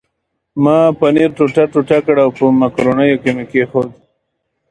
ما پنیر ټوټه ټوټه کړ او په مکرونیو مې کښېښود.